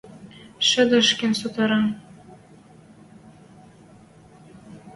Шӹдешкен сотара: